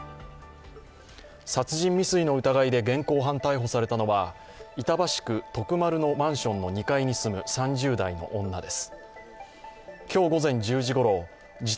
殺人未遂の疑いで現行犯逮捕されたのは板橋区徳丸のマンションの２階に住む３０代の女です。